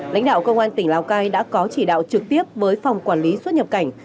lãnh đạo công an tỉnh lào cai đã có chỉ đạo trực tiếp với phòng quản lý xuất nhập cảnh